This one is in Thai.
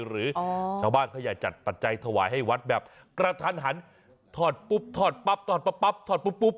หรือชาวบ้านเขาอยากจัดปัจจัยถวายให้วัดแบบกระทันหันถอดปุ๊บถอดปั๊บถอดปั๊บถอดปุ๊บปุ๊บ